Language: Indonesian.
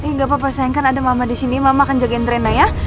eh enggak papa sayang kan ada mama di sini mama akan jagain trennya ya